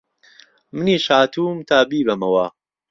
منیش هاتووم تا بیبهمهوه